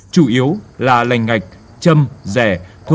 chủ yếu là lành ngạch